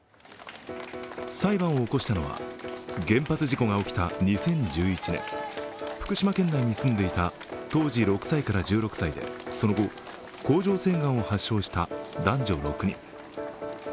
裁判を起こしたのは原発事故が起きた２０１１年福島県内に住んでいた当時６歳から１６歳で、その後、甲状腺がんを発症した男女６人。